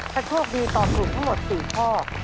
ถ้าโชคดีตอบถูกทั้งหมด๔ข้อ